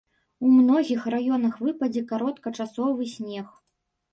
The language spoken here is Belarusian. У многіх раёнах выпадзе кароткачасовы снег.